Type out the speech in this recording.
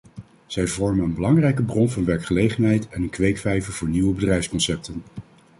Zij vormen een belangrijke bron van werkgelegenheid en een kweekvijver voor nieuwe bedrijfsconcepten.